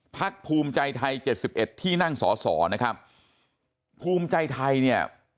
พักภูมิใจไทย๗๑ที่นั่งสอนะครับภูมิใจไทยเนี่ย